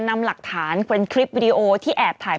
เมื่อ